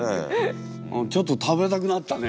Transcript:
ちょっと食べたくなったね。